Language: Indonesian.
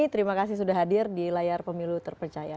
terima kasih sudah hadir di layar pemilu terpercaya